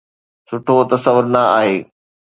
سٺو تصور نه آهي